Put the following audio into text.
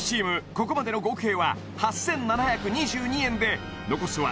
ここまでの合計は８７２２円で残すは